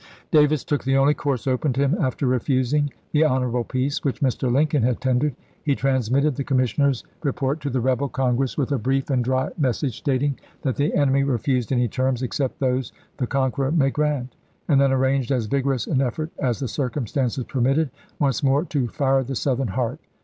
Davis took the only course open to him after re fusing the honorable peace which Mr. Lincoln had tendered. He transmitted the commissioners' re port to the rebel Congress with a brief and dry Vol. X.— 9 130 ABRAHAM LINCOLN chap. vi. message, stating that the enemy refused any terms except those the conqueror may grant ; and then arranged as vigorous an effort as the circumstances permitted, once more to " fire the Southern heart."